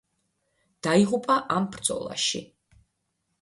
დაიღუპა ამ ბრძოლაში.